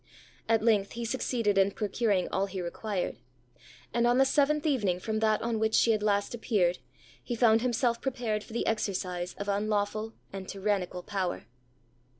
At length he succeeded in procuring all he required; and on the seventh evening from that on which she had last appeared, he found himself prepared for the exercise of unlawful and tyrannical power.